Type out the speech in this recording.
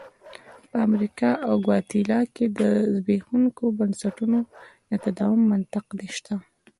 په امریکا او ګواتیلا کې د زبېښونکو بنسټونو د تداوم منطق شته.